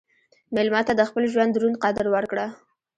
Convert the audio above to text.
مېلمه ته د خپل ژوند دروند قدر ورکړه.